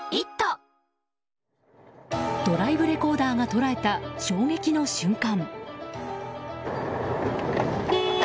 ドライブレコーダーが捉えた衝撃の瞬間。